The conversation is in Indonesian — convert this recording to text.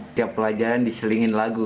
setiap pelajaran diselingin lagu